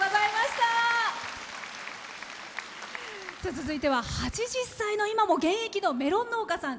続いては８０歳の今も現役のメロン農家さん。